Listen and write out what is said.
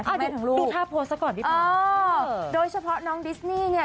จ้ะแม่ทั้งลูกดูท่าโพสต์ละก่อนเอ้อโดยเฉพาะน้องดิสนี่เนี่ย